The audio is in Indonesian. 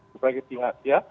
berbagai tingkat ya